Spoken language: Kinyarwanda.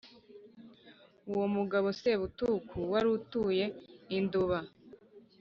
uwo mugabo Sebutuku wari utuye i Nduba